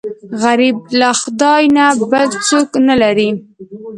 غریب له خدای نه بل څوک نه لري